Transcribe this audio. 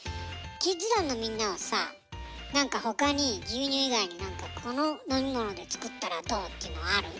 キッズ団のみんなはさ何かほかに牛乳以外にこの飲み物で作ったらどう？っていうのはある？